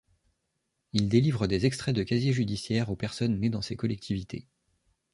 Ils délivrent des extraits de casier judiciaire aux personnes nées dans ces collectivités.